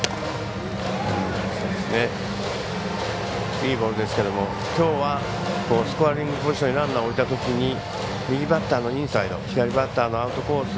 いいボールですけどもきょうはスコアリングポジションにランナーを置いたときに右バッターのインサイド左バッターのアウトコース